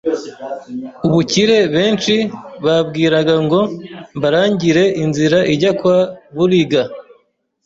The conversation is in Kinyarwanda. ubukire benshi babwiragango mbarangire inzira ijya kwa BURIGA.